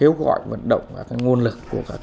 từ các ngành giáo dục